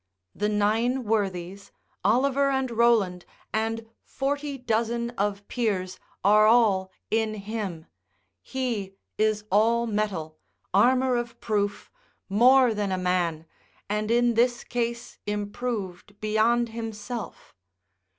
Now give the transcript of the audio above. The nine worthies, Oliver and Rowland, and forty dozen of peers are all in him, he is all mettle, armour of proof, more than a man, and in this case improved beyond himself.